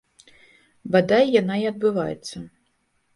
Бадай, яна і адбываецца.